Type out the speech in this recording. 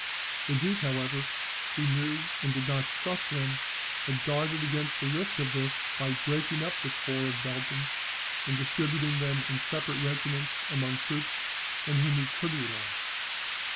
The Duke, however, who knew and did not trust them, had guarded against the risk of this, by breaking up the corps of Belgians, and distributing them in separate regiments among troops on whom he could rely.